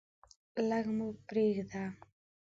لږ مو پریږده.